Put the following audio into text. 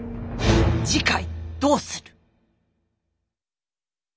次回どうする。